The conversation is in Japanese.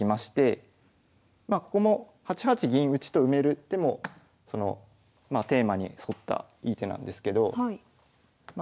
まあここも８八銀打と埋める手もテーマに沿ったいい手なんですけどまあ